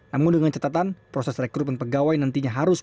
namun dengan catatan proses rekrutmen pegawai nantinya harus